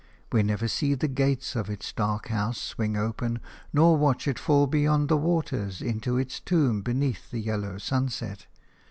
We never see the gates of its dark house swing open, nor watch it fall beyond the waters into its tomb beneath the yellow sunset.